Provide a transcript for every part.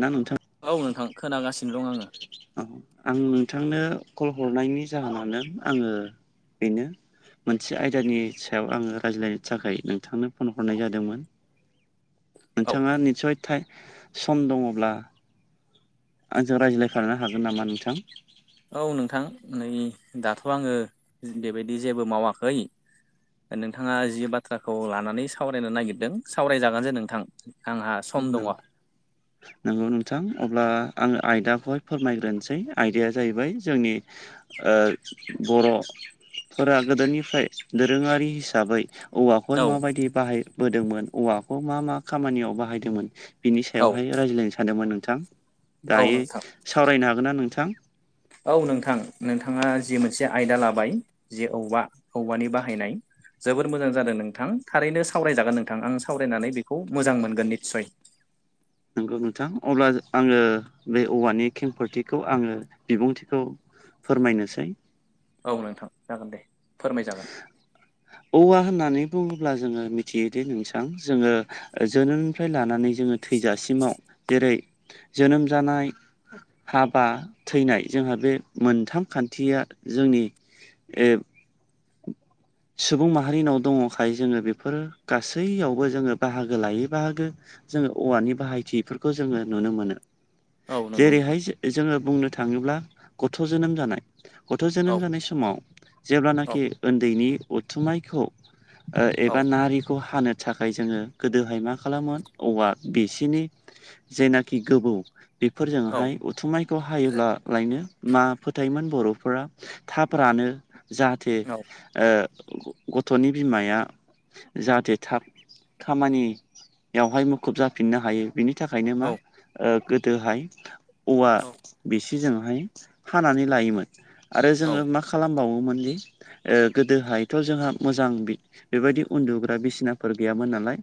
ना नोंथां औ नोंथां खोनागासिनो दं आङो। औ आं नोंथांनो कल हरनायनि जाहोनानो आङो बेनो मोनसे आयदानि सायाव आङो रायज्लायनो थाखाय नोंथांनो फन हरनाय जादोंमोन। औ नोंथाङा निसय थाइ सम दङब्ला आंजों रायज्लायफानो हागोन नामा नोंथां? औ नोंथां नै दाथ' आङो बेबायदि जेबो मावाखै नोंथाङा जि बाथ्राखौ लानानै सावरायनो नागिरदों सावरायजागोन जे नोंथां। आंहा सम दङ नों [inaudible] नोंगौ नोंथां अब्ला आङो आयदाखौहाय फोरमायग्रोनसै आयदाया जाहैबाय जोंनि ओ बर'फोरा गोदोनिफ्राय दोरोङारि हिसाबै औवाखौहाय औ माबायदि बाहायबोदोंमोन औवाखौ मा मा खामानियाव बाहायदोंमोन बिनि सायावहाय रायज्लायनो सानदोंमोन नोंथां औ दायो नोंथां सावरायनो हागोनना नोंथां? औ नोंथां नोंथाङा जि मोनसे आयदा लाबाय जे औवा औवानि बाहायनाय जोबोर मोजां जादों नोंथां थारैनो सावरायजागोन नोंथां आं सावरायनानै बेखौ मोजां मोनगोन निस्सय। नोंगौ नोंथां अब्ला आङो बे औवानि खेंफोरथिखौ आङो बिबुंथिखौ फोरमायनोसै औ नोंथां जागोन दे फोरमायजागोन औवा होननानै बुङोब्ला जोङो मिथियोदि नोंसां जोङो जोनोमनिफ्राय लानानै जोङो थैजासिमाव जेरै जोनोम जानाय हाबा थैनाय जोंहा बे मोनथाम खान्थिया जोंनि सुबुं माहारिनाव दङखाय जोङो बेफोरो गासैयावबो जोङो बाहागो लायै बाहागो जोङो औवानि बाहायथिफोरखौ जोङो नुनो मोनो औ नंगौ नोंथां जेरैहाय जो जोङो बुंनो थाङोब्ला गथ' जोनोम जानाय गथ' औ जोनोम जानाय समाव औ जेब्लानाखि ओन्दैनि उथुमायखौ ओ औ एबा नारिखौ हानो थाखाय जोङो गोदोहाय मा खालामोन औवा बिसिनि जेनाखि गोबौ औ बेफोरजोंहाय उ थुमायखौ हायोब्लालायनो मा फोथायोमोन बर'फोरा थाब रानो जा थे औ ओ गथ'नि बिमाया जाहाथे थाब खामानियावहाय मुखुब जाफिननो हायो बिनि बेनि थाखायनो औ मा गोदोहाय औवा औ बेसे जोंहाय हानानै लायोमोन आरो औ जोङो मासे खालामबावोमोनदि ओ गोदोहाय थ' जोंहा मोजां बेबायदि उन्दुग्रा बिसिनाफोर गैयामोन नालाय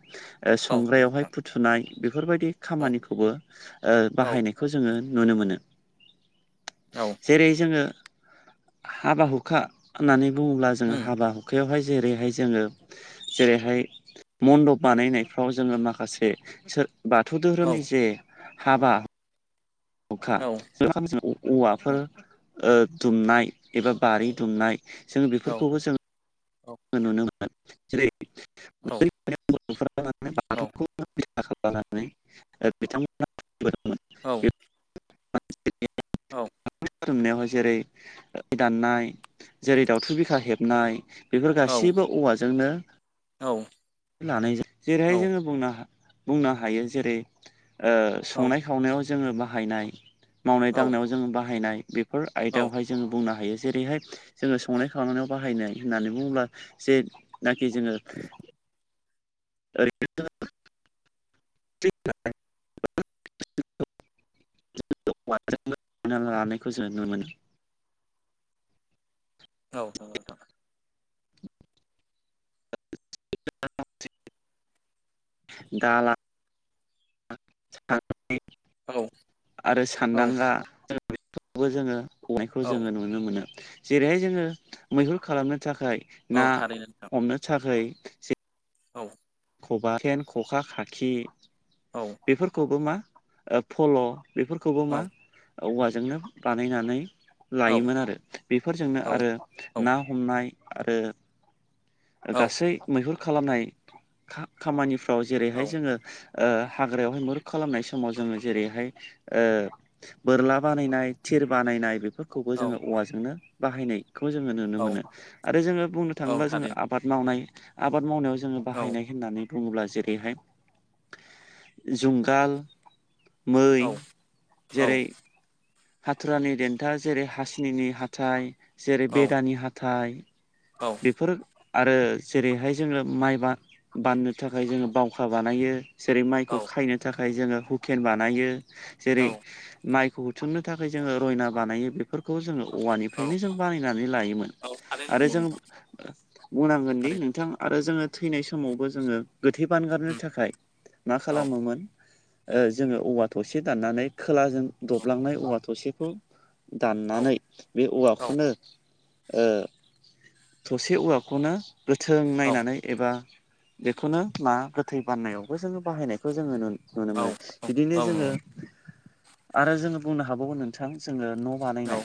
औ संग्रायावहाय नोंथां फुथुनाय बेफोरबायदि खामानिखौबो औ बाहायनायखौ जोङो नुनो मोनो औ जेरै जोङो हाबा हुखा होननानै बुङोब्ला जोङो उम हाबा हुखा अखायावहाय जेरैहाय जोङो जेरैहाय मन्दप बानायनायफ्राव जोङो माखासे बाथौ औ धोरोमनि जे हाबा अखा औ ज औ औवाफोर दुमनाय एबा बारि दुमनाय जोङ औ बेफोरखौबो जोङो नुनो मोनो जेरै औ म औ बाथौखौ लानानै बिथांमोनामोन औ ब औ रुमनायावहाय जेरै दाननाय जेरै दावथु बिखा हेबनाय बेफोर औ गासैबो औवाजोंनो लानाय जायो औ जेरैहाय जोङो बुंनो ह बुंनो हायो जेरै औ नोंथां संनाय खावनायाव जोङो बाहायनाय मावनाय दांनायाव जोङो बाहायनाय बेफोर आयदायावहाय जोङो बुंनो हायो जेरैहाय जोङो संनाय खावनायाव बाहायनाय होननानै बुङोब्ला जेनाखि जोङो ओरै [inaudible] [unintelligible] लानायखौ जों नुनो मोनो औ दाला [unintelligible] औ आरो सानदांगा [unintelligible] जोङो खनायखौ औ जोङो नुनो मोनो जेरैहाय जोङो मैहुर खालामनो थाखाय औ ना थारैनो नोंथां हमनो थाखाय जे औ खबा फेन खखा खाखि औ बेफोरखौबो मा ओ फल' बेफोरखौबो औ मा औवाजोंनो बानायनानै औ लायोमोन आरो औ बेफोरजोंनो आरो ना हमनाय आरो औ गासै मैहुर खालामनाय खामानिफ्राव जेरैहाय जोङो ओ हाग्रायावहाय मैहुर खालामनाय समाव जोङो जेरैहाय बोरला बानायनाय थिर बानायनाय बेफोर खौबो औ जोङो औवाजोंनो बाहायनायखौ जोङो नुनो मोनो आरो जोङो बुंनो औ थाङोब्ला जोङो थारैनो आबाद मावनाय आबाद मावनायाव जोङो औ बाहायनाय होननानै बुङोब्ला जेरैहाय जुंगाल मै औ औ जेरै हाथुरानि देन्था जेरै हासिनिनि हाथाइ जेरै बेदानि हाथाइ औ बेफोर आरो जेरैहाय जोङो माइ बा बाननो थाखाय जोङो बावखा बानायो जेरै औ माइखौ खायनो थाखाय जोङो हुकेन बानायो जेरै औ माइ थुमनो थाखाय जोङो रयना बानायो बेफोरखौ जोङो औवानिफ्रायनो जों बानायनानै लायोमोन औ थारैनो आरो जों नंगौ नोंथां बुंनांगोनदि थारैनो नोंथां आरो जोङो थैनाय समावबो जोङो गोथै बानगारनो उम थाखाय मा औ खालामोमोन ओ जोङो औवा थसे दाननानै खोलाजों दबलांनाय औवा थसेखौ दाननानै बे औ औवाखौनो ओ थसे औवाखौनो गोथों नायनानै एबा बेखौनो ना गोथै बान्नायावबो जोङो बाहायनायखौ जोङो नुनो औ मोनो बिदिनो औ जोङो नंगौ आरो जोङो बुंनो हाबावगोन नोंथां जोङो न' औ बानायनाय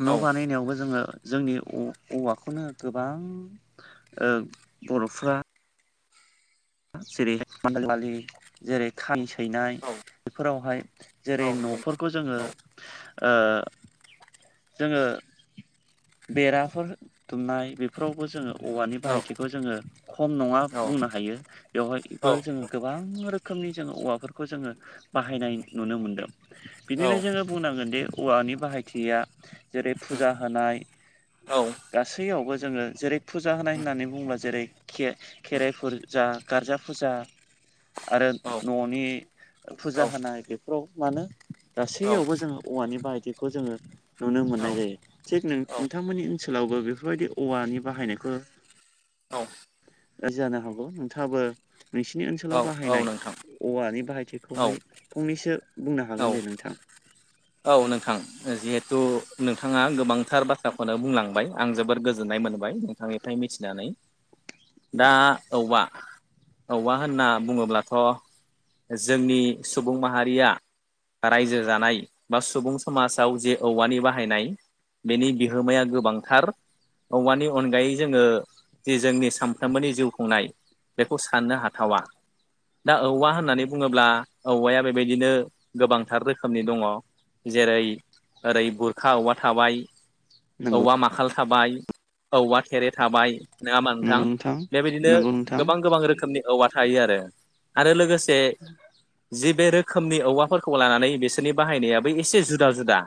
औ न' बानायनायावबो जोङो जोंनि औवाखौनो गोबां ओ बर'फ्रा जेरैहाय मालि मिलि जेरै खामि सैनाय बेफोरावहाय औ जेरै नंगौ नोंथां न'फोर खौ जोङो ओ जोङो बेराफोर दुमनाय बेफोरावबो जोङो औवानि औ बाहायथिखौ जोङो खम नङा औ बुंनो हायो औ बेवहायबो जोङो गोबां रोखोमनि जोङो औवाफोरखौ जोङो बाहायनाय नुनो मोनदों बिदिनो जोङो बुंनांगोन दि औवानि बाहायथिया जेरै फुजा होनाय औ गासैयावबो जोङो जेरै फुजा होनाय होननानै बुङोबा जेरै खे खेराइफोर जा गारजा फुजा आरो न'नि फुजा होनाय बेफोराव मानो गासैयावबो जोङो औवानि बायथिखौ जोङो नुनो मोननाय जायो थिग नोंथांमोननि ओनसोलावबो बेफोरबायदि औवानि बाहायनायखौ [inaudible] जानो हागौ नोंथाङाबो नोंसिनि ओनसोलाव बाहायनाय नोंथां औवानि औ बाहायथिखौहाय फंनैसो बुंनो हागोन दे नोंथां औ नोंथां ओ जिहेथु नोंथाङा गोबांथार बाथ्राखौनो बुंलांबाय आं जोबोद गोजोननाय मोनबाय नोंथांनि मिथिनानै दा औबबा औवा होनना बुङोब्लाथ' जोंनि सुबुं माहारिया रायजो जानाय बा सुबुं समाजाव जे औवानि बाहायनाय बेनि बिहोमाया गोबांथार। औवानि जोङो अनगायै जोङो जि जोंनि सानफ्रोमबोनि जिउ खुंनाय बेखौ साननो हाथावा। दा औवा होननानै बुङोब्ला औवाया बेबायदिनो गोबांथार रोखोमनि दङ। जेरै ओरै गुरखा औवा थाबाय नंगौ औवा माखाल थाबाय औवा खेरे थाबाय नङाामा नोंथां बेबायदिनो नंगौ नोंथां गोबां गोबां रोखोमनि औवा थायो आरो आरो लोगोसे [inaudible] जिे बे रोखोमनि औवाफोरखौ लानानै बिसोरनि बाहायनायाबो एसे जुदा जुदा।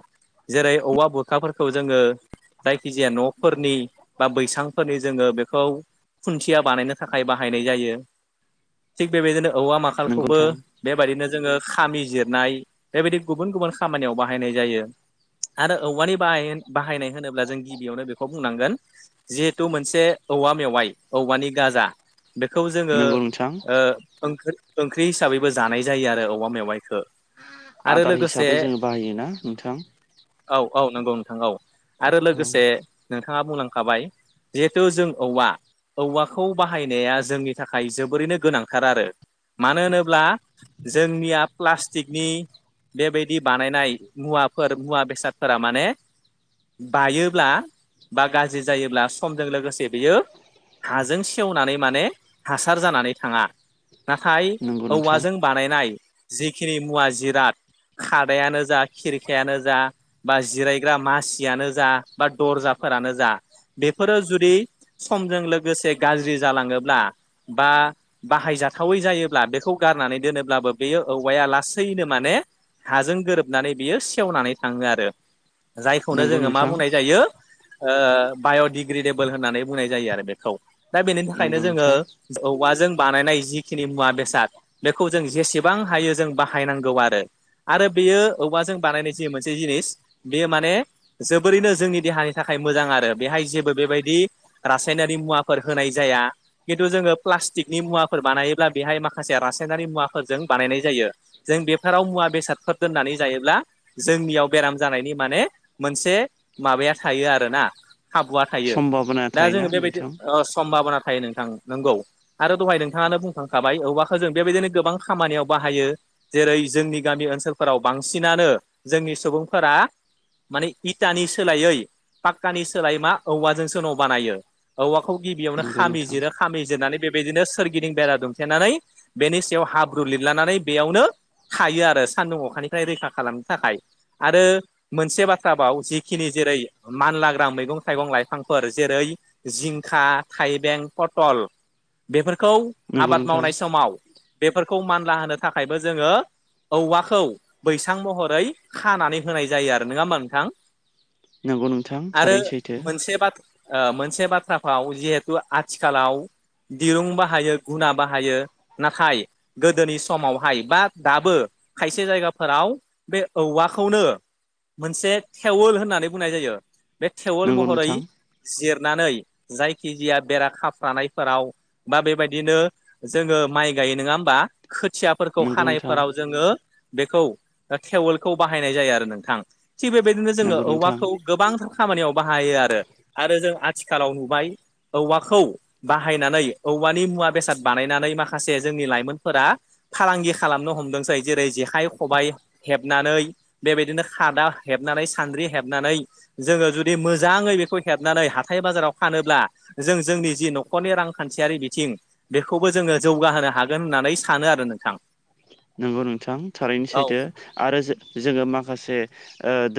जेरै औवा बुरखाफोरखौ जोङो जायखिजाया न'फोरनि बा बैसांफोरनि जोङो बेखौ खुन्थिया बानायनो थाखाय बाहायनाय जायो थिग बेबायदिनो औवा मा नंगौ आखालखौबो नोंथां बेबायदिनो जोङो खामि जिरनाय बेबायदि गुबुन गुबुन खामानियाव बाहायनाय जायो आरो औवानि ब बाहायनाय होनोब्ला जों गिबियावनो बेखौ बुंनांगोन जिहेथु मोनसे औवा मेवाइ औवानि गाजा बेखौ जोङो नंगौ नोंथां ओंख ओंख्रि हिसाबैबो जानाय जायो आरो अमा मेवाइखौ। आरो आदार लोगोसे हिसाबै जोङो बाहायोना नोंथां? औ औ नंगौ नोंथां औ आरो औ लोगोसे नोंथाङा बुंलांखाबाय। जिहेथु जों औवा औवाखौ बाहायनाया जोंनि थाखाय जोबोरैनो गोनांथार आरो। मानो होनोब्ला जोंनिया प्लास्टिकनि बेबायदि बानायनाय मुवाफोर मुवा बेसादफोरा माने बायोब्ला बा गाज्रि जायोब्ला समजों लोगोसे बेयो हाजों सेवनानै माने हासार जानानै थाङा। नाथाय नंगौ नोंथां औवाजों बानायनाय जिखिनि मुवा जिराद खादायानो जा खिरखायानो जा बा जिरायग्रा मासियानो जा बा दरजाफोरानो जा बेफोरो जुदि समजों लोगोसे गाज्रि जालाङोब्ला बा बाहायजाथावै जायोब्ला बेखौ गारनानै दोनोब्लाबो बे औवाया लासैनो माने हाजों गोरोबनानै बियो सेवनानै थाङो आरो जायखौनो नंगौ जोङो मा नोंथां बुंनाय जायो? ओ बाय'डिग्रेदेबोल होननानै बुंनाय जायो आरो बेखौ दा बेनि थाखायनो नंगौ जोङो नोंथां औवाजों बानायनाय जिखिनि मुवा बेसाद बेखौ जों जेसेबां हायो जों बाहायनांगौ आरो। आरो बेयो औवाजों बानायनाय जि मोनसे जिनिस बेयो माने जोबोरैनो जोंनि देहानि थाखाय मोजां आरो बेहाय जेबो बेबायदि रासायनारि मुवाफोर होनाय जाया। खिन्थु जोङो प्लास्टिकनि मुवाफोर बानायोब्ला बेहाय माखासे रासायनारि मुवाफोरजों बानायनाय जायो। जों बेफोराव मुवा बेसादफोर दोननानै जायोब्ला जोंनियाव बेराम जानायनि माने मोनसे माबाया थायो आरोना खाबुआ। थायो सम्भाबना दा थायोना जोङो बेबायदि नोंथां सम्भाबना थायो नोंथां। नंगौ आरो दहाय नोंथाङानो बुंखांखाबाय औबवखौो जों बेबायदिनो गोबां खामानियाव बाहायो। जेरै जोंनि गामि ओनसोलफोराव बांसिनानो जोंनि सुबुंफोरा माने इटानि सोलायै पाक्कानि सोलायै मा औवाजोंसो न' बानायो। औवाखौ गिबियावनो नंगौ नोंथां खामिजिरो खामिजिरनानै बेबायदिनो सोरगिदिं बेरा दुमफेनानै बेनि सायाव हाब्रु लिरलानानै बेयावनो थायो आरो सान्दुं अखानिफ्राय रैखा खालामनो थाखाय आरो मोनसे बाथ्रबाव जिखिनि जेरै मानलाग्रा मैगं थाइगं लाइफांफोर जेरै जिंखा थाइबें पटल बेफोरखौ नंगौ आबाद नोंथां मावनाय समाव बेफोरखौ मानला होनो थाखायबो जोङो औवा खौ बैसां महरै खानानै होनाय जायो आरो नङा होमबा नोंथां नंगौ नोंथां आरो थारैनो सैथो मोनसे बाथ्रा मोनसे बाथ्रा फाव जिहेथु आथिखालाव दिरुं बाहायो गुना बाहायो नाथाय गोदोनि समावहाय बा दाबो खायसे जायगाफोराव बे औवाखौनो मोनसे थेवोल होननानै बुंनाय जायो बे टेवोल नंगौ महरै नोंथां जिरनानै जायखिजाया बेरा खाफ्रानायफोराव बा बेबायदिनो जोङो माइ गायो नङा होमबा खोथिया फोरखौ नंगौ नोंथां खानायफोराव जोङो बेखौ थेवोलखौ बाहायनाय जायो आरो नोंथां थिग बेबायदिनो जोङो नंगौ नोंथां औवाखौ गोबांथार खामानियाव बाहायो आरो आरो जों आथिखालाव नुबाय औवाखौ बाहायनानै औवानि मुवा बेसाद बानायनानै माखासे जोंनि लाइमोनफोरा फालांगि खालामनो हमदोंसै जेरै जेखाइ खबाइ हेब नानै बेबायदिनो खादा हेबनानै सान्द्रि हेबनानै जोङो जुदि मोजाङै बेखौ हेबनानै हाथाय बाजाराव फानोब्ला जों जोंनि जि न'खरनि रांखान्थियारि बिथिं बेखौबो जोङो जौगाहोनो हागोन होननानै सानो आरो नोंथां नंगौ नोंथां थारैनो औ सैथो आरो जोङो माखासे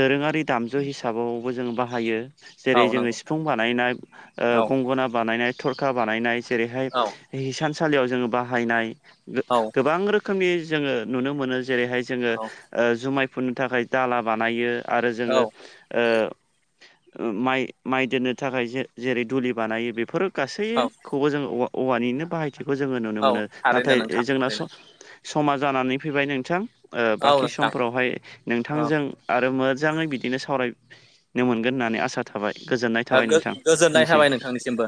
दोरोङारि दामजु हिसाबावबो जोङ बाहायो जेरै औ जोङो नंगौ सिफुं बानायनाय औ गंगोनना बानायनाय थरखा बानायनाय जेरैहाय औ हिसानसालियाव जोङो बाहायनाय औ गोबां रोखोमनि जोङो नुनो मोनो जेरैहाय जोङो जुमायफोरनो थाखाय दाला बानायो आरो औ जोङो माइ माइ दोननो थाखाय जेरै दुलि बानायो बेफोरो गासै औ खौबो जोङो औवानिनो बाहायथिखौ जोङो नुनो औ मोनो थारैनो नाथाय नोंथां जोंना स समा जानानै फैबाय नोंथां औ बाखि नोंथां समफोरावहाय औ नोंथांजों आरो मोजाङै बिदिनो सावरायनो मोनगोन होननानै आसा थाबाय गोजोननाय थाबाय नोंथां गोजोननाय थाबाय बिनिसिम नोंथांनिसिमबो